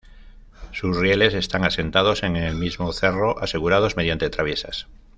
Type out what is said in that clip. Sus rieles están asentados en el mismo cerro, asegurados mediante traviesas.